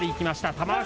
玉鷲。